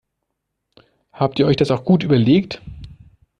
Habt ihr euch das auch gut überlegt?